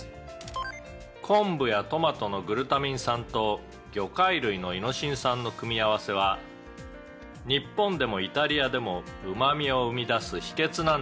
「昆布やトマトのグルタミン酸と魚介類のイノシン酸の組み合わせは日本でもイタリアでもうま味を生み出す秘訣なんですね」